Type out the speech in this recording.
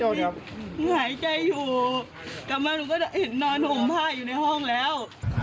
หายใจอยู่กลับมาหนูก็เห็นนอนห่มผ้าอยู่ในห้องแล้ว